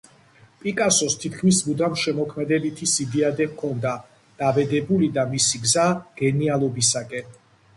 პიკასოს თითქოს მუდამ შემოქმედებითი სიდიადე ჰქონდა დაბედებული და მისი გზა გენიალობისაკენ.